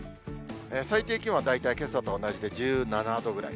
最低気温は大体けさと同じで１７度ぐらい。